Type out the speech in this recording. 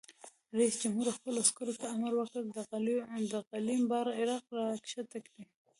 رئیس جمهور خپلو عسکرو ته امر وکړ؛ د غلیم بیرغ راکښته کړئ!